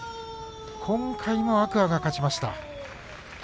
今回も天空海が勝ちました。